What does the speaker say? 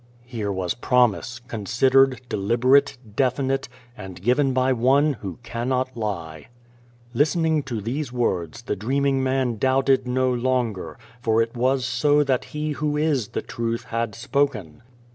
Here was promise, considered, deliberate, definite, and given by One who cannot lie. Listening to these words the dreaming man doubted no longer, for it was so that He who is the Truth had spoken.